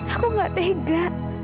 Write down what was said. aku gak tega